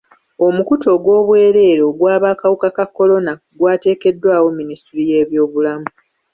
Omukutu ogw'obwereere ogw'abakawuka ka kolona gwateekeddwawo Minisitule y'ebyobulamu.